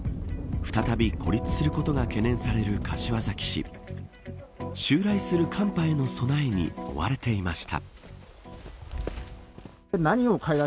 再び孤立することが懸念される柏崎市襲来する寒波への備えに追われていました。